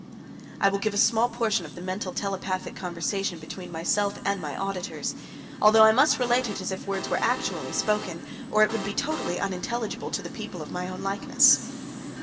I will give a small portion of the mental telepathic conversation between myself and my auditors, although I must relate it as if words were actually spoken, or it would be totally unintelligible to the people of my own likeness.